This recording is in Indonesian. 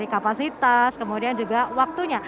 kualitas kemudian juga waktunya